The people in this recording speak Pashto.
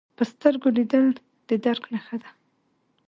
په سترګو لیدل د درک نښه ده